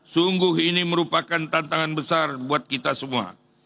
sungguh ini merupakan tantangan besar buat kita semua